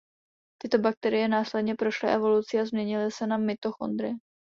Tyto bakterie následně prošly evolucí a změnily se na mitochondrie.